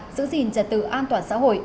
giữ gìn trật tự an toàn xã hội